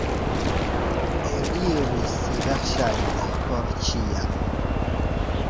Eliris, verŝajne, por ĉiam.